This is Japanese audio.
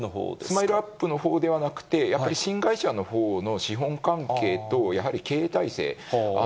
スマイルアップのほうではなくて、やっぱり新会社のほうの資本関係と、やはり経営体制。